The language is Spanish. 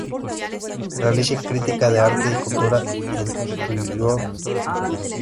Realiza crítica de arte y cultura en "The New Yorker".